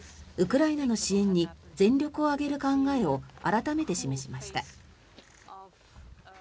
ウクライナの支援に全力を挙げる考えを改めて示しました。